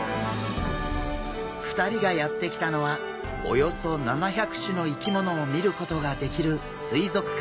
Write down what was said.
２人がやって来たのはおよそ７００種の生き物を見ることができる水族館。